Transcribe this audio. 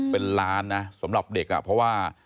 เป็นล้านนะสำหรับเด็กอ่ะเพราะว่า